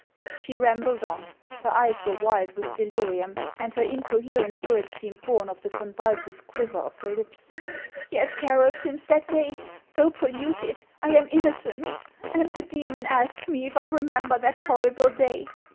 She rambled on ; her eyes were wild with delirium, and 196 HANS ()!•' ICELAND. her incohereut words seemed bom of the convulsive quiver of her lips. "Yes, Carroll, since that day, though polluted, I am innocent ; and the demon asks me if I remember that horrible day!